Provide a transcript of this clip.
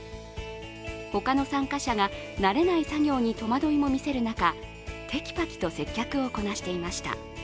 他の参加者が慣れない作業に戸惑いも見せる中テキパキと接客をこなしていました。